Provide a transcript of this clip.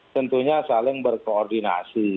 tentunya saling berkoordinasi